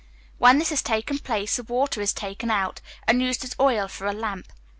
When this has taken place, the water is taken out, and used as oil for a lamp.